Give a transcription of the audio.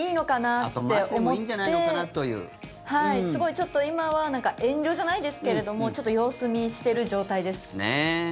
ちょっと今は遠慮じゃないですけれどもちょっと様子見している状態です。